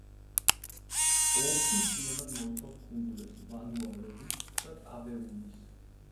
ოლქი მთლიანად მოიცავს კუნძულებს ვანუა-ლევუს და ტავეუნის.